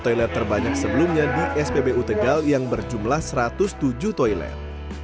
toilet terbanyak sebelumnya di spbu tegal yang berjumlah satu ratus tujuh toilet